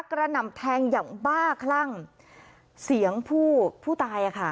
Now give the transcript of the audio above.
หน่ำแทงอย่างบ้าคลั่งเสียงผู้ผู้ตายอ่ะค่ะ